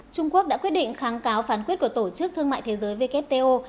trung quốc đã quyết định kháng cáo phán quyết của tổ chức thương mại thế giới wto